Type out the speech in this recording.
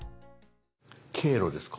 「経路」ですか？